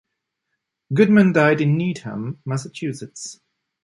Goodman died in Needham, Massachusetts.